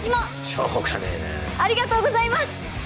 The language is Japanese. しょうがねえなあありがとうございます！